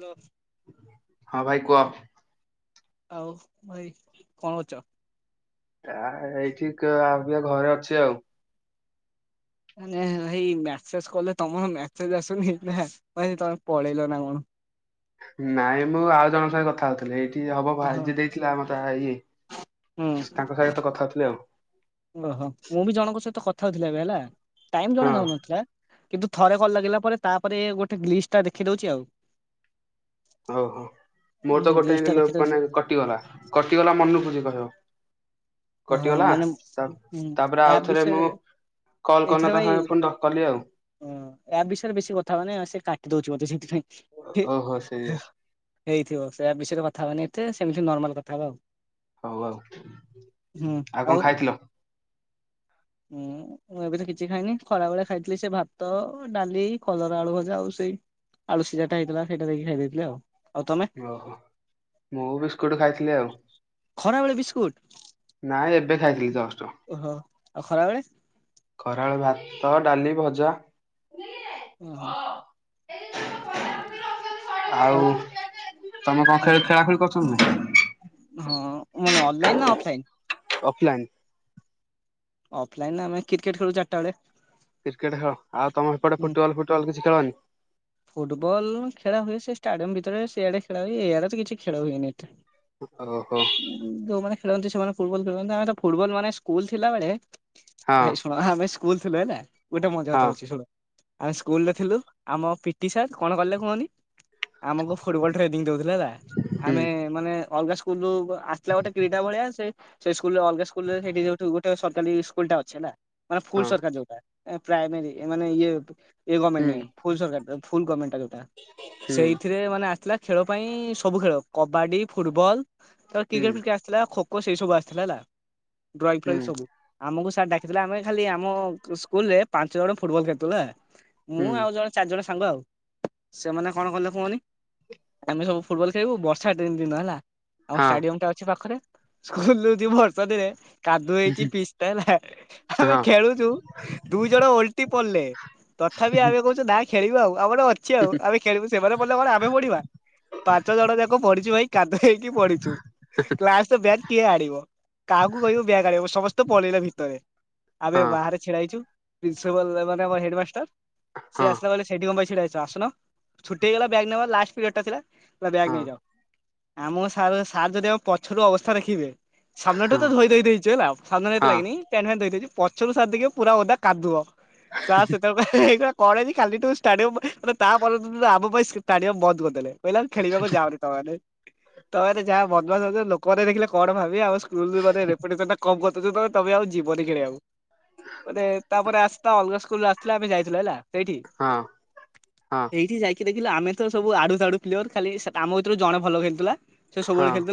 ଲ। ହଁ ଭାଇ କୁହ। ଆଉ ଭାଇ କଣ କରୁଚ? ଆ ଏ-ଏ-ଏଇଠି କ ଆ [unintelligible] ଘରେ ଅଛି ଆଉ। ଉ ନେଲ ଭାଈ ମେସେଜ କଲେ ତମ ମେସେଜ ଆସୁନି ନା ଭାବିଲି ତମେ ପଳେଇଲ ନା କଣ। ନାଇଁ ମୁଁ ଆଉ ଜଣଙ୍କ ସାଙ୍ଗେ କଥା ହଉଥିଲି ଏଇଠି ହବ ଭାଇ ଓହୋ ଜିିଏ ଦେଇଥିଲା ମତା ଏଇ। ହୁଁ ତାଙ୍କ ସାଙ୍ଗ ରେ କଥା ହଉଥିଲି ଆଉ। ଓହୋ ମୁଁ ବି ଜଣଙ୍କ ସହିତ କଥା ହଉଥିଲି ଏବେ ହେଲା ଟାଇମ ହଁ ଜଣା ଯାଉନଥିଲା। କିନ୍ତୁ ଥରେ କଲ ଲାଗିଲା ପରେ ତାପରେ ଗୋଟେ ଗ୍ଲିସ୍ ଟା ଦେଖି ଦଉଛି ଆଉ। ଓଃ ମୋର ତ ହୁଁ ଗୋଟେ ଗ୍ଲିଚ ଟା [unintelligible] ଦେଖିଦଉଛି ମାନେ କଟିଗଲା କଟିଗଲା ମନକୁ ଜିଏ କହିବ। ହଁ କଟିଗଲା ମାନେ ତା ହୁଁ ତାପରେ ଆପ ଆଉଥରେ ବିଷୟରେ। ମୁଁ କଲ୍ କରିନା ଏଥିରେ ତାଙ୍କ ଭାଇ ସାଙ୍ଗେ ପୁଣି ଧ- କଲି ଆଉ। ଆପ୍ ବିଷୟରେ ବେଶୀ କଥା ହବାନି ସେ କାଟି ଦଉଛି ବଧେ ସେ ଓହୋ ସେଇଆ। ହେଇଥିବ ସେ ଆପ ବିଷୟରେ କଥା ହବାନି ଏତେ ସେମିତି ନର୍ମାଲ କଥା ହବା ଆଉ। ହଉ ଆଉ। ହୁଁ କଣ ଆଉ। ଖାଇଥିଲ? ହୁଁ ମୁଁ ଏବେ ତ କିଛି ଖାଇନି ଖରାବେଳେ ଖାଇଥିଲି ସେ ଭାତ ଡାଲି କଲରା ଆଳୁ ଭଜା ଆଉ ସେଇ ଆଳୁ ସିଝାଟା ହେଇଥିଲା ସେଇଟା ଦେଇକି ଖାଇ ଦେଇଥିଲି ଆଉ। ଆଉ ତମେ ଓହୋ ମୁଁ ବିସ୍କୁଟ ଖାଇଥିଲି ଆଉ। ଖରା ବେଳେ ବିସ୍କୁଟ। ନାଇଁ ଏବେ ଖାଇଥିଲି ଜଷ୍ଟ ଓହୋ ଆଉ ଖରା ବେଳେ? ଖରାବେଳେ ଭାତ ଡାଲି ଭଜା। ଓ ହୋ। ଆଉ ତମେ କଣ ହଁ ଖେ ଖେଳା ଖେଳି କରୁଛନ୍ତି ନା। ହଁ ମାନେ ଅନଲାଇନ ନା ଅଫଲାଇନି? ଅଫଲାଇନ୍। ଅଫ ଲାଇନି ଆମେ କ୍ରିକେଟ ଖେଳୁ ଚାରିଟା ବେଳେ। କ୍ରିକେଟ ଖେଳ ଆଉ ତମ ସେପଟେ ହୁଁ ଫୁଟବଲ ଫୁଟବଲ କିଛି ଖେଳନି। ଫୁଟବଲ ଖେଳା ହୁଏ ସେ ଷ୍ଟାଡିୟମ ଭିତରେ ସିଆଡେ ଖେଳା ହୁଏ ଇଆଡେ ତ କିଛି ଖେଳ ହୁଏନି ଏଟେ। ଓହୋ। ଖେଳନ୍ତି ସେମାନେ ଫୁଟବଲ ଖେଳନ୍ତି ଆମେ ତ ଫୁଟବଲ ମାନେ ସ୍କୁଲ ଥିଲାବେଳେ ଭାଇ ହଁ ଶୁଣ ଆମେ ସ୍କୁଲ ଥିଲ ନା ଗୋଟେ ମଜାକଥା ହଁ କହୁଚି ଶୁଣ। ଆମେ ସ୍କୁଲ ରେ ଥିଲୁ ଆମ ପିଟି ସାର୍ କଣ କଲେ କୁହନି ଆମକୁ ଫୁଟବଲ ଟ୍ରେନିଂ ଦଉଥିଲେ ହେଲା ହୁଁ ଆମେ ମାନେ ଅଲଗା ସ୍କୁଲୁ ଆସିଲା ଗୋଟେ କ୍ରୀଡ଼ା ଭଳିଆ ସେ ସେଇ ସ୍କୁଲରେ ଅଲଗା ସ୍କୁଲରେ ସେଇଠି ଯଉଠୁ ଗୋଟେ ସରକାରୀ ସ୍କୁଲ ଟା ଅଛି ହେଲା। ମାନେ ଫୁଲ ହଁ ସରକାର ଯୋଉଟା ପ୍ରାଇମାରୀ ମାନେ ଇଏ ତ ଇଏ ଗମେଣ୍ଟ ହୁଁ ନୁହେଁ ଫୁଲ ସରକାରୀ ତ ଫୁଲ ଗମେଣ୍ଟ। ଯଉଟା ହୁଁ ସେଇଥିରେ ମାନେ ଆସିଲା ଖେଳ ପାଇଁ ସବୁ ଖେଳ କବାଡି ଫୁଟବଲ ତ ହୁଁ କ୍ରିକେଟ ଫ୍ରିକେଟ ଆସିଥିଲା ଖୋ ଖୋ ସେଇ ସବୁ ଆସିଥିଲା ହେଲା ଡ୍ରଇଙ୍ଗ ହୁଁ ଫ୍ରଇଙ୍ଗ ସବୁ ଆମକୁ ଡାକିଥିଲା ଆମେ ଖାଲି ଆମ ସ୍କୁଲ ରେ ପାଞ୍ଚ ଜଣ ଫୁଟବଲ ଖେଳୁଥିଲୁ ହା ହୁଁ ମୁଁ ଆଉ ଜଣେ ଚାରି ଜଣ ସାଙ୍ଗ ଆଉ ସେମାନେ କଣ କଲେ କୁହନି ଆମେ ସବୁ ଫୁଟବଲ ଖେଳିବୁ ବର୍ଷା ଦୀନ୍ ଦିନ ହେଲା। ଆମ ଷ୍ଟାଡିୟମ ହଁ ଟା ଅଛି ପାଖରେ ସ୍କୁଲ ରୁ ଯିବୁ ବର୍ଷା ଦିନେ କାଦୁଅ ହେଇଛି ପିଚ୍ ଟା ହେଲା ଆମେ ଖେଳୁଛୁ ଦୁଈ ଜଣ ଓଲଟି ପଡ଼ିଲେ। ତଥାପି ଆମେ କହୁଛୁ ନା ଖେଳିବା ଆଉ ଆମର ଅଛି ଆଉ ହଁ ଆମେ ଖେଳିବୁ ସେମାନେ ପଡ଼ିଲେ କଣ ଆମେ ପଢିବା। ପାଞ୍ଚ ଜଣ ଯାକ ପଢିଛୁ ଭାଇ କାଦ ହେଇକି ପଢିଛୁ କ୍ଲାସ ଟୁ ବ୍ୟାଗ କିଏ ଆଣିବ। କାହାକୁ କହିବୁ ବ୍ୟାଗ୍ ଆଣିବ ସମସ୍ତେ ତ ପଳେଇଲା ଭିତରେ ଆମେ ହଁ ବାହାରେ ଛିଡ଼ା ହେଇଛୁ ପ୍ରିନ୍ସିପାଲ ମାନେ ଆମର ହେଡ୍ ମାଷ୍ଟର ସେ ହଁ ଆସିଲା ବୋଲି ସେଇଠି କଣ ପାଇଁ ଛିଡ଼ା ହେଇଚ ଆସୁନ ଛୁଟି ହେଇଗଲା ବ୍ୟାଗ୍ ନେବା ଲାଷ୍ଟ ପିରିୟଡ ଟା ଥିଲା। କହିଲା ବ୍ୟାଗ ହଁ ନେଇଯାଅ ଆମ ସାର୍ ସାର୍ ଯଦି ଆମ ପଛରୁ ଅବସ୍ଥା ଦେଖିବେ ସାମ୍ନା ଟା ତ ଧୋଇ ଦେଇଛୁ ହେଲା ସାମ୍ନାାରେ ଏତେ ହଁ ଲାଗି ପ୍ୟାଣ୍ଟ ଫ୍ୟଣ୍ଟ ଧଇ ଦେଇଛୁ। ପଛରୁ ସାର୍ ଟିକେ ପୁରା ଓଦା କାଦୁଅ। [unintelligible] ଏଇଗୁା କ ଖାଲିୁ ଷ୍ଟାଡିୟମ ମାନେ ତାପନ୍ତ ଆମ ପାଇଁ ଷ୍ଟାଡିୟମ ବନ୍ଦ କରିଦେଲେ [unintelligible] କହିଲା ଖେଳିବାକୁ ଯାଅନି ତମେ ମାନେ ତମେ ଯାହା ବଦମାସ୍ ହୋଉଚ୍ଚ ଲୋକମାନେ ଦେଖିଲେ କଣ ଭାବି ଆଉ ସ୍କୁଲ୍ ମାନେ ରେପୁଟେଷନ୍ କମ୍ କରିଦେଉଛ ତ ତମେ ଆଉ ଯିବନି ଖେଳିବାକୁ। ମାନେ ତାପରେ ଆସିତ ଅଲଗା ସ୍କୁଲୁ ଆସିଥିଲେ ଆମେ ଯାଇଥିଲୁ ହେଲା। ସେଇଠି ହଁ ହଁ ସେଇଠି ଯାଇକି ଦେଖି ହେଲେ ଆମେ ତ ସବୁ ଆଡୁତାଡୁ ପ୍ଲେୟର ଖାଲି ଆମ ଭିତରୁ ଜଣେ ଭଲ ଖେଳିଥିଲା ସେ ହଁ ସବୁବେଳେ ଖେଳୁଥ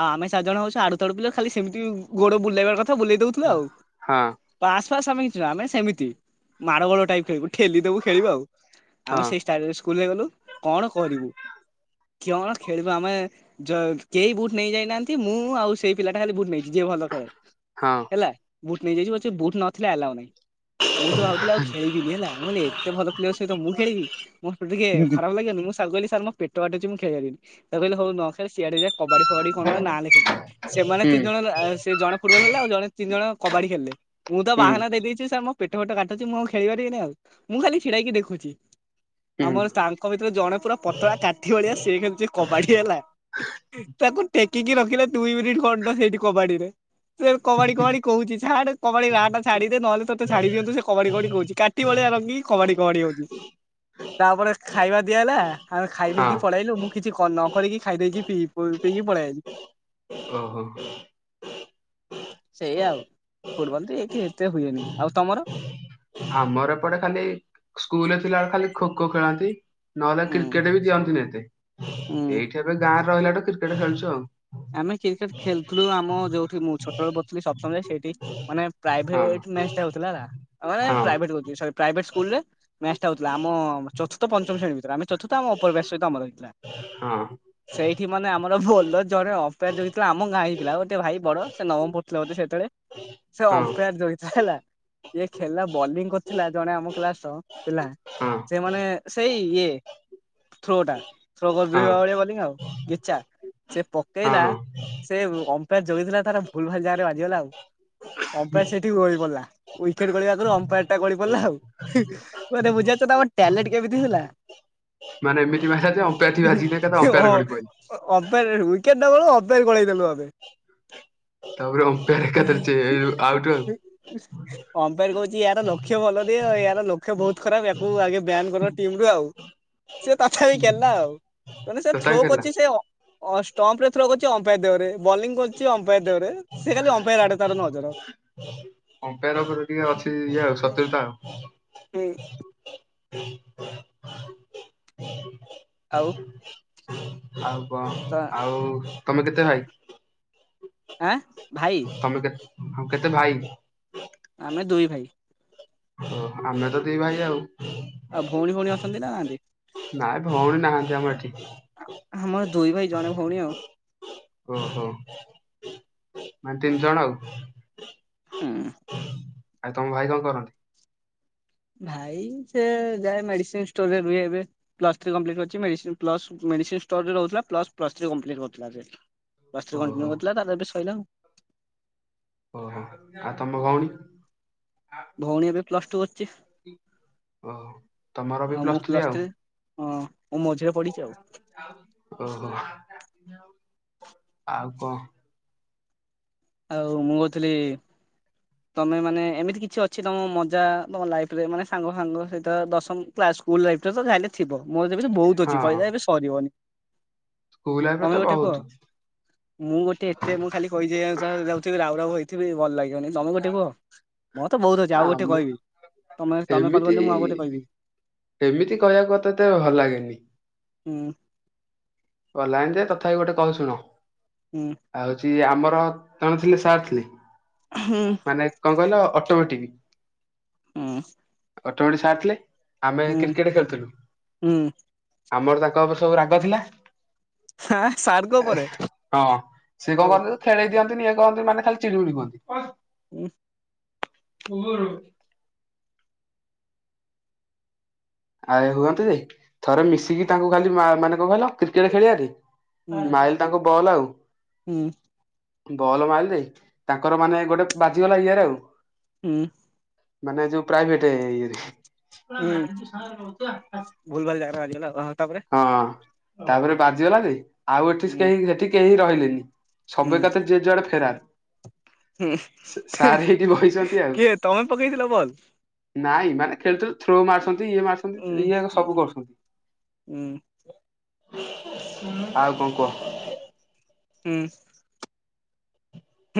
ଆଉ ଆମେ ଚାର ଜଣ ହୋଉଚୁ ଆଡୁ ତାଡୁ ପ୍ଲେୟାର, ଖାଲି ସେମିତି ଗୋଡ ବୁଲେଇବା କ ବୁଲେଇ ଦୋଉଥିଲୁ ଆଉ ହଁ ହଁ ପାସ୍ ଫାସ୍ ଆମେ କିଛି ନା ଆମେ ସେମିତି ମାଡ଼ଗୋଳ [unintelligible] ଖେଦି ଦେବୁ ଖେଳିବୁ ଆଉ ଆମେ ହଁ ସେଇ ଷ୍ଟାଇଲ ରେ ସ୍କୁଲ ଗଲୁ କଣ କରିବୁ କିୟୋଣ ଖେଳିବୁ ଆମେ ଜ କେହି ବୁଟ ନେଇଯାଇନାହାନ୍ତି ମୁଁ ଆଉ ସେଇ ପିଲାଟା ଖାଲି ବୁଟ ନେଇ ଯିଏ ଭଲ ଖେଳେ ହଁ ହେଲା ବୁଟ ନେଇଯାଇଚୁ ବୁଟ ନଥିଲେ ଆଲ୍ଲାଉ ନାଇଁ। ମୁଁ ତ ଭାବୁଥିଲ ଆଉ ଖେଳିବିନି ହେଲା ମାନେ ଏତ ଭଲ ପ୍ଲେୟର ସହିତ ମୁଁ ଖଳିବି ମୋତ ଟିକେ ହୁଁ ଖରାପ ଲାଗେନି ମୁଁ ସାର୍ କହଲି ସାର୍ ମ ପେଟ କାଟୁଛି ମୁଁ ଖେଳିପାରିବିନି ତ କହିଲି ହୋଉ ନ ଖେଳିଲେ ସିଆଡେ ଜା କବାଡି ଫବାଡି ରେ କଣ ନାଁ ଲେଖେ ସେମାନେ ହୁଁ ତିନି ଜଣ ସେ ଜଣେ ଫୁଟବଲ ଖେଳିଲେ ଆଉ ଜଣେ ତିନି ଜଣ କବାଡି ଖେଳିଲେ ମୁଁ ତ ହୁଁ ବାହାନା ଦେଇେଇଛି ସାର୍ ମୁଁ ପେଟ ଫେଟ କାଟୁଚି ମୁଁ ଆଉ ଖେଳିବାରିବିନି ଆଉ ମୁଁ ଖାଲି ଛିଡାଇକି ଦେଖୁଚି। ହୁଁ ଆମର ତାଙ୍କ ଭିତରେ ଜଣେ ପୁରା ପତଳା କାଠି ଭଳିଆ ସେ ଖେଲୁଚି କବାଡି ହେଲା ତାକୁ ଟେକି କି କିି ରଖିଲେ ଦୁଇ ମିନିଟ୍ ଖଣ୍ଡ ସେଇଠି କବାଡିରେ। ସେ କବାଡି କବାଡି କହୁଚି ଛାଡ କବାଡି ରା ଟା ଛାଡିଦେ ନହେଲେ ତ ଛାଡି ଦିଅୁ ସେ କବାଡି କବା କହୁଚି କାଟି ଭଳିଆ ଆ ରଙ୍ଗୀ କି କବାଡି କବାଡି ହଉଚି। ତାପରେ ଖାଇବା ଦିଆ ହେଲା ଆମେ ଖାଇ ହଁ ପିଇକି ପଳେଇଲୁ ମୁଁ କିଛି ନ କରିକି ଖାଇଦେଲି। ବେଗି ପିକ ପଳାଇ ଆଇଲୁ। ଓହୋ। ସେଇ ଆଉ ଫୁଟବଲ ଏଠି ଏତେ ହୁଏନି ଆଉ ତମର? ଆମର ଏପଟେ ଖାଲି ସ୍କୁଲ ପିଲାଗୁରା ଖାଲି ଖୋ ଖୋ ଖେଳାନ୍ତି। ନହେଲେ ହୁଁ କ୍ରିକେଟ ବି ଦିଅନ୍ତିନି ଏତେ, ହୁଁ। ଏଇଠି ଏବେ ଗାଁରେ ରହିଲାଠୁ କ୍ରିକେଟ ଖେଳୁଛୁ ଆଉ। ଆମେ କ୍ରିକେଟ ଖେଳୁଥିଲୁ ଆମ ଯୋଉଠି ମୁଁ ଛୋଟବେଳୁ ପଢୁଥିଲି ସପ୍ତମ ସେଇଠି ମାନେ ହଁ। ପ୍ରାଇଭେଟ ମ୍ୟାଚ୍ ଟା ହୋଉଥିଲା ହେଲା ମାନେ ହଁ ପ୍ରାଇଭେଟ୍ ହୋହୁଚି ସରି ପ୍ରାଇଭେଟ୍ ସ୍କୁଲ୍ ରେ ମ୍ୟାଚ୍ ଟା ହୋଉଥିଲା ଆମ ଚତର୍ଥ ପଞ୍ଚମ ଶ୍ରେଣୀ ଭିତରେ ଆମେ ଚତୁର୍ଥ ଆମ ଉପରି ବ୍ୟାଚ ସହିତ ଆମର ଥିଲା। ହଁ। ଭଲ ଜଣେ ଓମ୍ପେର୍ ଯୋ ହେଇଥିଲା ଆମ ଗାଁ ହେଇଥିଲା ଗୋଟେ ଭାଇ ବଡ ସେ ନବମ ପଢୁଥିଲା ବଧେ ସେତେବେଳେ ସେ ହଁ ଅମ୍ପାୟାର ଜ [unintelligible] ଇଏ ଖେଳିଲା ବୋଲିଂ କରିଥିଲା ଜଣେ ଆମ କ୍ଲାସ ର ପି ହଁ ସେମାନେ ସେଇ ଇଏ ଥ୍ରୋ ଟା ଥ୍ରୋ କର ଭଳିଆ ବୋଲିଙ୍ଗ ଆଉ କେଚା। ସେ ହଁ ପକେଇଲା ହଁ ସେ ଅମ୍ପାର ଜଗେଇଥିଲା ତାର ଭୁଲ ଭାଲ ଜାଗାରେ ବାଜିଗଲା ଆଉ। ଅମ୍ପୟାର ସେଠି ରହିଗଲା ୱିକେଟ୍‌ଖେଳିବା ଆଗରୁ ଅମ୍ପୟାର ଟା ଗଳି ପଡିଲା ଆଉ ମାନେ ବୁଝାରୁଛ ତା ଟ୍ୟାଲେଟ୍ କେମିତି ହେଲା? ମାନେ ଏମିତି ମାଇଲା ଯେ ଅମ୍ପେୟାର ଠି ବାଜିକି ଏକାଥରେ ଓ ଅମ୍ପେୟାର ଗଳି ପଇଲା ଅମ୍ପୟାର ୱିକେଟ୍‌ ନ କ ଅମ୍ପାୟର ଗଳେଇ [unintelligible] ଆମେ ତାପରେ ଅମ୍ପୟା ଏକାଥରେ ଖତର ଆ ଅମ୍ପୋର କୋହୁଚି ୟାର ଲକ୍ଷ୍ୟ ଭଲ ଦିଏ ୟାର ଲକ୍ଷ୍ୟ ବୋହୁତ ଖରାପ୍ ୟାକୁ ଆଗେ ତାଙ୍କ ଟିମରୁ ଆଉ ସେ ତଥାପି ଖେଳିଲା ଆଉେ ସେ ତଥାପି ଥ୍ରୋ ଖେଳିଲା। କରିଛି ଅ ଅଁ ଷ୍ଟମ୍ପ ରେ ଥର କରଚି ଅମ୍ପାୟର ଦେହରେ ବୋଲିଂ କରୁଚି ଅମ୍ପାୟାର ଦେହ ରେ ସେ ଖାଲି ଅମ୍ପାୟାର ଆଡ଼େ ତାର ନଜର। ଅମ୍ପାର ଉପରେ ଟିକେ ଅଛି ଇଏ ଆଉ ସତ୍ୟତା ଆଉ। ହୁଁ। ଆଉ ଆଉ କଣ ତ ଆଉ ତମେ କେତେ ଭାଇ? ଆଁ। ଭାଇ ତମେ କେତେ କେତେ ଭାଇ? ଆମେ ଦୁଇ ଭାଇ। ଓ ଆମେ ତ ଦି ଭାଇ ଆଉ। ଆଉ ଭଉଣୀ ଭଉଣୀ ଅଛନ୍ତି ନା ନାହାନ୍ତି? ନାଇଁ ଭଉଣୀ ନାହାନ୍ତି ଆମର ଏଠି। ଆମର ଦୁଇ ଭାଇ ଜଣେ ଭଉଣୀ ଆଉ ଅହୋ ମାନେ ତିନି ଜଣ ଆଉ ହଁ ଆଉ ତମ ଭାଇ କଣ କରନ୍ତି ଭାଇ ସେ ଯାଏ ମେଡିସିନ୍‌ଷ୍ଟୋର ରେ ରୁହେପ୍ଲସ୍‌ ଥ୍ରୀ ଲି କପ୍ଟ ମ ପ୍ଲ ମେଡ଼ିସିନ୍ ଷ୍ଟୋରରେ ରହୁଥିଲା ପ୍ଲସ୍ ପ୍ସ୍ ଥ୍ରୀ କମ୍ପ୍ଲିଟ୍ଥିଲା ସେ ପ୍ଲସ୍ ଥ୍ରୀ ଓହୋ କଣ୍ଟିନ ଅହୋ ଆଉ ତମ ଭଉଣୀ ଭଉଣୀ ଏବେ ପ୍ଲସ୍ ଟୁ ଓ ତମର ବି ପ୍ଲସ୍ ଥ୍ରୀ ଆଉ ହଁ ମୁଁ ମଝିରେ ପଡିଛି ଆଉ ଓହୋ ଆଉ କଣ ଆଉ ମୁଁ ଥିଲି ତମେ ମାନେ ଏମିତି କିଛି ଅଛି ତମ ମଜା ତୁମ ଲାଇଫ ରେ ମାନେ ସାଙ୍ଗ ସାଙ୍ଗ ସହିତ ଦଶମ୍ ସ୍କୁଲ ଲାଇଫ୍‌ରେ ଯାହା ହେଲେ ଥିବ ମୋର ବି ଏବେ ବହୁତ ହଁ ଅଛି କହିଲେ ଏବେ ସରିବନି ସ୍କୁଲ ଲାଇଫରେ ତମେ ତ ଗୋଟେ କୁହ ବହୁତ ମୁଁ ଗୋଟେ ଏତେ ମୁଁ ଖାଲି କହିଦେବି ଯାଉଥିବି ରାଉ ରା ହେଇଥିବି ଭଲ ଲାଗିବନି ତମେ ଗୋଟେ କୁହ ମଁ ତ ବହୁତ ଅଛି ଆଉୋଟେ ଆମ କିହିବି ତମେ ତମେ କଲ୍ ଏମିତି କଲେ ମୁଁ ଆଉ ଗୋଟେ କହିବି ଏମିତି କହିବାକୁ କଥା ଭଲ ଲାଗେନି ହୁଁ ଗଲାଣି ଯେ ତଥାପି ଗୋଟେ କଥା ଶୁଣ ହୁଁ ଆଉ ହଉଛି ଆମର କଣେ ଥିଲେ ସାର୍ ଥିଲେ ହୁଁ ମାନେ କଣ କହିଲ ଅଟୋମେଟିକ୍ ହଁ ଗୋଟେ ପଟେ ସାରଥିଲେ ଆମେ କ୍ରିକେଟ ଖେଳୁଥିଲୁ ହୁଁ ଆମର ତାଙ୍କ ଉପରେ ସବୁ ରାଗ ଥିଲା ହାଁ ସାର୍ଙ୍କ ଉପରେ ହଁ ସିଏ କଣ ହଉ କରନ୍ତି ଖେଳେଇ ଦିଅନ୍ତି ଇଏ କହନ୍ତି ମାନେ ଖାଲି ଚିଡିମିଳି କୁହନ୍ତି ହ ଗୁରୁ ଆରେ ହୁଅନ୍ତେ ଥରେ ମିଶିକି ତାଙ୍କୁ ଖାଲି ମା ମାନେ କଣ କହିଲ ହୁଁ କ୍ରିକେଟ୍‌ଖେଳିବାନି ମାଇଲ୍‌ତାଙ୍କ ବଲ ଆଉ ହୁଁ ଭଲ ମାଇଲରେ ତାଙ୍କର ମାନେ ଗୋଟେ ବାଜିଗଲା ଇଏରେ ଆଉ ହୁଁ! ମାନେ ଯୋଉ ପ୍ରାଇଭେଟ ଇଏରେ! ହୁଁ! ଭୁଲ ଭାଲ ଜାଗା ରେ ବାଜିଗଲା ଓ ହୋ ତାପରେ! ହଁ ତାପରେ ବାଜିଗଲା ଯେ, ଆଉ ଏଠି ହୁଁ କେହି ଏଠି କେହି ରହିଲେନି! ହୁଁ ସବୁତକ ଯିଏ ଯୁଆଡେ ଫେରାର! ହୁଁ, ହେଁ ସାର୍ ହେଇଠି ବଇଛନ୍ତି ଆଉ -କିଏ ତମେ ପକେଇଥିଲ ବଲ? ନାଇଁ ମାନେ ଖେଳୁ ଥ୍ରୋ ମାରୁ [inaudible] ଇଏ ଉଁ ମାରୁଛନ୍ତି, ଇଏ ହେଲାସବୁ ହୁଁ କରୁଛନ୍ତି! ହୁଁ ଆଉ ଙ୍କ କହ? ହୁଁ,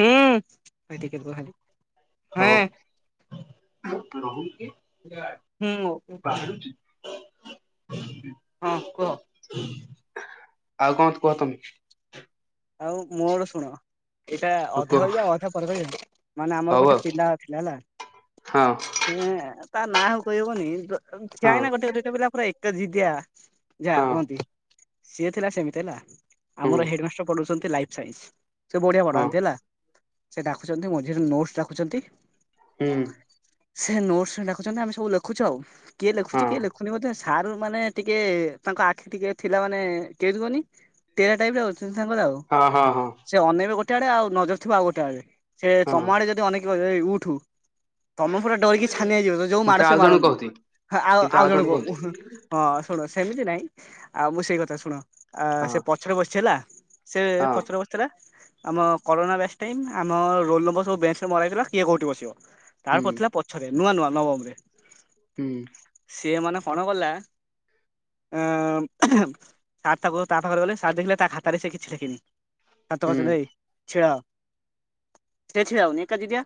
ହୁଁ ଭାଇ ଟିକେ ରୁହ ଖାଲି, ହଁ! ତୁ ରହୁନୁ କିଏଁ! ହୁଁ [inaudible] ହ [inaudible] ହଁ, କୁହ! ଆଉ କଣ କୁହ ତମେ? ଆଉ, ମୋ ଆଡ ଶୁଣ! ଏଇଟା ହଉ ଅଧା କୁହ କହିବା ଅଧା ପର କହିବା ମାନେ ଆମର ହଉ ଗୋଟେ ଆଉ ପିଲା ଥିଲା ହେଲା [inaudible] ହଁ ହୁଁ, ତା! ନା ହଉ କହି ହବନି ହଁ ଯାାଇଁ ନା ଗୋଟେ ଗୋଇଟେ ପିଲା ପୁରା ଏକ ଜିଦିଆ ଯାହା ହଁ କୁହନ୍ତି। ସିଏ ଥିଲା ସେମିତି ହେଲା, ହୁଁ ଆମର ହେଡମାଷ୍ଟର ପଢୁଛନ୍ତି ଲାଇଫ ସାଇନ୍ସ। ସେ ବଢିଆ ହଁ ପଢ଼ାନ୍ତି ହେଲା, ସେ ଡାକୁଛନ୍ତି ମଝିରେ ନୋଟସ ଡାକୁଛନ୍ତି। ହୁଁ। ସେ ନୋଟସ ଡାକୁଛନ୍ତି ଆମେ ସବୁ ଲେଖୁଛୁ ଆଉ କିଏ ଲେଖୁଛି ହଁ କିଏ ଲେଖୁନି ବୋଧେ ସାର୍ ମାନେ ଟିକେ। ତାଙ୍କ ଆଖି ଟିକେ ଥିଲା, ମାନେ କେମିତି କୁହନି? ଟେରା ଟାଇପର। ତାଙ୍କର ଆଉ ହଁ ହଁ ହଁ ସେ ଅନେଇବେ ଗୋଟେ ଆଡେ, ନଜର ଥିବା ଆଉ ଗୋଟେ ଆଡେ, ସେ ତମ ହଁ। ଆଡେ ଯଦି ଅନେଇକି ଏ ଉଠୁ ତମେ ପୁରା ଡରିକି ଛାନିଆଇଯିବ ତ ଯୋଉ ମାଡ କିନ୍ତୁ ସେ ଆଉ ଜଣେ ମାରନ୍ତି। କହୁଛି ଆଉ କିନ୍ତୁ ଆଉ ଜଣ ଜଣେ କ କହୁଛି ହଁ ଶୁଣ [inaudible] ସେମିତି ନାଇଁ ଆଉ ମୁଁ ସେଇ କଥା ଶୁଣ ସେ ହଁ ପଛରେ ବସିଛି ହେଲା। ସେ ହଁ ପଚର ବସିଥିଲା। ଆମ କରୋନା ବ୍ୟାକ୍ସ ଟାଇମ୍ ଆମ ରୋଲ ନମ୍ବର ସବୁ ବେଞ୍ଚରେ ମରାଇଥିଲା କିଏ କୋଉଠି ବସିବ। ହୁଁ ତାର ପଡ଼ିଥିଲା ପଛରେ ନୂଆ ନୂଆ ନବମ ରେ। ହୁଁ। ସିଏ ମାନେ କଣ କଲା? ଆ ସାର୍ ତାକୁ ତା ପାଖରେ ଗ ସାର୍ ଦେଖିଲେ ତା ଖାତାରେ ସେ [inaudible] କିି ସାତ ହୁଁ ପାଚିଲ ହେଇ ଛିଡ଼ା ହ ଛିଡ଼ା ହଉନି ଏକା ଦିଦିକି।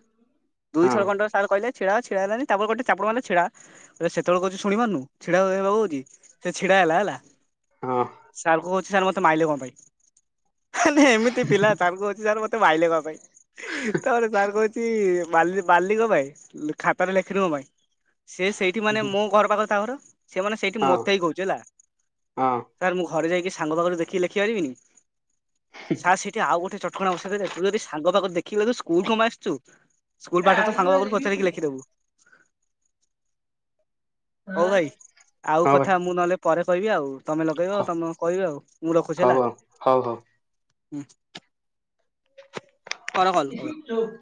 ଦୁଇ ହଁ ଥର ଖଣ୍ଡେ ସାର୍ କହିଲେ। ଛିଡା ହୋ ଛିଡା ହେଲାନି ତାପରେ ଗୋଟେ ଚାପୁଡ ମଇଲେ ଛିଡା ସେତେବେଳେ କହୁଛି ଶୁଣିପାରୁନୁ ଛିଡା ହେବାକୁ କହୁଛି ସେ ହେଲା ହେଲା ହଁ ସାର୍ କୁ କହୁଛି ସାର୍ ମତେ ମାଇଲେ କଣ ପାଇଁ? ମାନେ ଏମିତି ପିଲା ସାରଙ୍କୁ କହୁଛି ସାରମତେ ମାଇଲେ କଣ ପାଇଁ ତାପ ରେ ସାରଙ୍କୁ କହୁଛି ବାଲି ବାଲିିକ ଭ ଖାତାରେ ଲେଖନୀ ମୋ ପାଇଁ ସେ ସେଇଠି ହଁ ମାନେ ମୋ ଘର ପାଖ ତା ଘର [inaudible] ସେମାନେ ସେଇଠି ହଁ। ମୋତେ ହେଇ କହୁଛି ହେଲା ହଁ ସାର୍ ମୁଁ ଘରେ ଯାଇକି ସାଙ୍ଗ ପାଖରେ ଦେଖିକି ଲେଖି ପାରିବିନି। ସାର୍ ସେଠି ଆଉ ଗୋଟେ ଚଟକଣା ବଷଇଦେଲେ ତୁ ଯଦି ସାଙ୍ଗ ପାଖରୁ ଦେଖିକି ଲେଖିବୁ ସ୍କୁଲ କଣ ପାଇଁ ଆସିଛୁ? ସ୍କୁଲ ପାଠ ତ ତୋ ସାଙ୍ଗ ପାଖରୁ ପଚାରି ଭାଇ କି ଲେଖିଦବୁ। ହଉ ଭାଇ, ଆଉ କଥା ମୁଁ ନହେଲେ ପରେ କହିବି ଆଉ। ତମେ ଲଗେଇବ ତମେ କହିବ ଆଉ, ମୁଁ ରଖୁଛି ହଉ ହେଲା। ହଉ ହଉ ହୁଁ। କର କଲ କର। [inaudible]